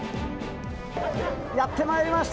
やって参りました。